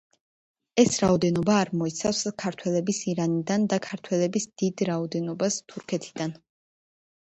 ეს რაოდენობა არ მოიცავს, ქართველების ირანიდან და ქართველების დიდ რაოდენობას თურქეთიდან.